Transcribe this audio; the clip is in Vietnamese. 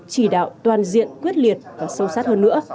chỉ đạo toàn diện quyết liệt và sâu sát hơn nữa